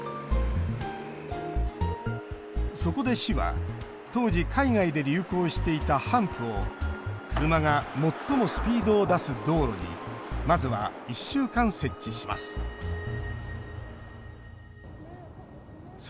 そこで、市は当時海外で流行していたハンプを車が最もスピードを出す道路にまずは１週間、設置します。